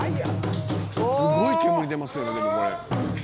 「すごい煙出ますよねでもね」